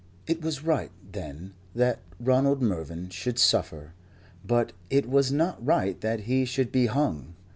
It was right, then, that Ronald Mervyn should suffer, but it was not right that he should be hung.